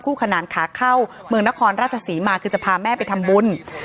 ขนานขาเข้าเมืองนครราชศรีมาคือจะพาแม่ไปทำบุญ